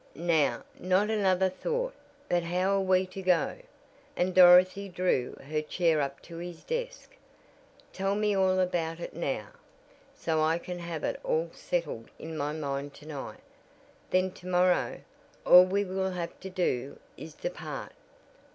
"Now, not another thought, but how we are to go?" and Dorothy drew her chair up to his desk. "Tell me all about it now, so I can have it all settled in my mind to night. Then to morrow, all we will have to do is depart.